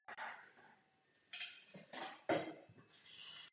Dat je zachráněn posádkou své lodi těsně před zničením observatoře.